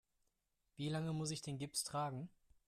Wie lange muss ich den Gips tragen?